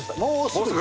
もうすぐ。